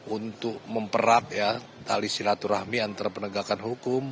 untuk memperat tali silaturahmi antara penegakan hukum